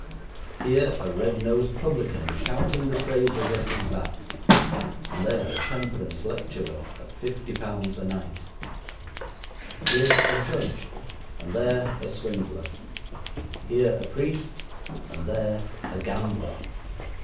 Here a red nosed publican shouting the praises of his vats and there a temperance lecturer at 50 pounds a night; here a judge and there a swindler; here a priest and there a gambler.